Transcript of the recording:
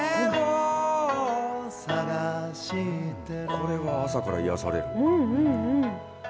これは朝から癒やされる。